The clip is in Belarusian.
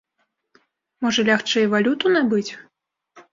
Можа, лягчэй валюту набыць?